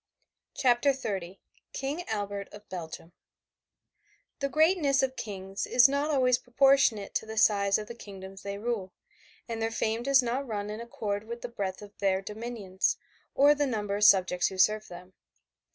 CHAPTER XXX KING ALBERT OF BELGIUM The greatness of kings is not always proportionate to the size of the kingdoms they rule, and their fame does not run in accord with the breadth of their dominions, or the number of subjects who serve them.